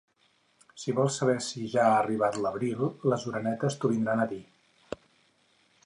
Si vols saber si ja ha arribat l'abril, les orenetes t'ho vindran a dir.